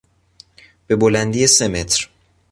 به بلندی سه متر